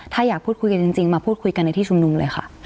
ถ้าอยากพูดคุยกันจริงมาพูดคุยกันในที่ชุมนุมเลยค่ะ